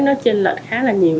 nó trên lệch khá là nhiều